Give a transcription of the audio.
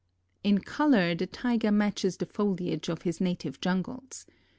In color the Tiger matches the foliage of his native jungles.